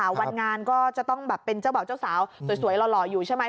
วันงานก็จะต้องแบบเป็นเจ้าบ่าวเจ้าสาวสวยหล่ออยู่ใช่ไหม